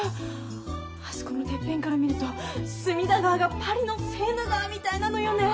あそこのてっぺんから見ると隅田川がパリのセーヌ川みたいなのよね。